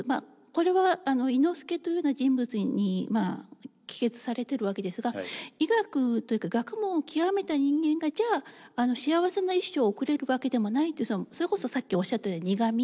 これは伊之助というような人物に帰結されてるわけですが医学というか学問を究めた人間がじゃあ幸せな一生を送れるわけでもないってそれこそさっきおっしゃった苦味。